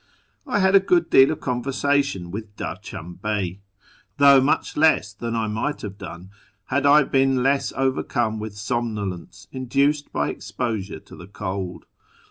I had a good deal of conversation with Darcham Bey, thouGjli much less than I miuht have done had I been less overcome with somnolence induced by exposure to the cold.